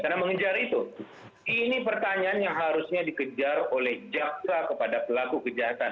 karena mengejar itu ini pertanyaan yang harusnya dikejar oleh jaxa kepada pelaku kejahatan